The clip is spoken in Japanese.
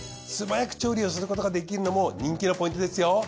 すばやく調理をすることができるのも人気のポイントですよ。